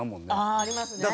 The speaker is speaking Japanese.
ああありますね。